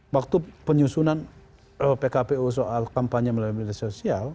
waktu penyusunan pkpu soal kampanye melalui media sosial